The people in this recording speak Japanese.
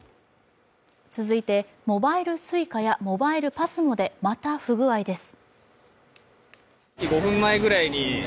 続いて、モバイルＳｕｉｃａやモバイルＰＡＳＭＯでまた不具合です。